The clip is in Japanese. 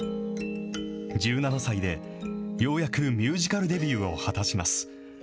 １７歳でようやくミュージカルデビューを果たします。